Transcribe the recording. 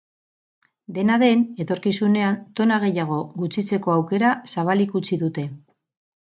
Dena den, etorkizunean tona gehiago gutxitzeko aukera zabalik utzi dute.